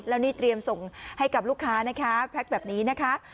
แล้วนี่เตรียมส่งให้กับลูกค้านะคะแพ็คแบบนี้นะคะ